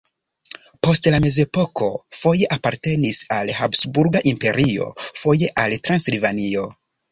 Post la mezepoko foje apartenis al Habsburga Imperio, foje al Transilvanio.